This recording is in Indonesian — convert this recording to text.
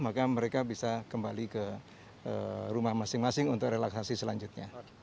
maka mereka bisa kembali ke rumah masing masing untuk relaksasi selanjutnya